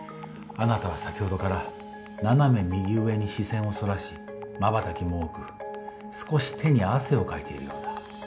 あなたは先ほどから斜め右上に視線をそらしまばたきも多く少し手に汗をかいているようだ。